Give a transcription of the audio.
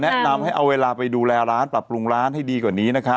แนะนำให้เอาเวลาไปดูแลร้านปรับปรุงร้านให้ดีกว่านี้นะครับ